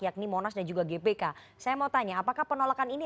yakni monas dan juga gbk saya mau tanya apakah penolakan ini